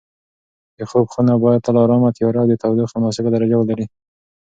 د خوب خونه باید تل ارامه، تیاره او د تودوخې مناسبه درجه ولري.